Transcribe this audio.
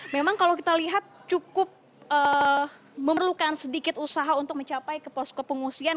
memang kalau kita lihat cukup memerlukan sedikit usaha untuk mencapai ke posko pengungsian